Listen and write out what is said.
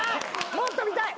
もっと見たい。